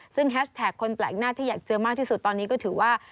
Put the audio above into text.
ซึ่งแฮชแท็กคนแปลกหน้าที่อยากเจอมากที่สุดตอนนี้ก็ถือว่า